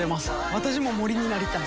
私も森になりたい。